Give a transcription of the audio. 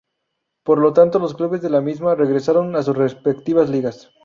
Por lo tanto los clubes de la misma, regresaron a sus respectivas ligas.